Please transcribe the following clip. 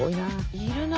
いるな。